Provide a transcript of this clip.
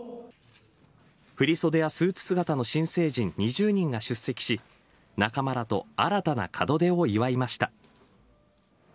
振り袖やスーツ姿の新成人２０人が出席し仲間らと新たな門出を祝いました。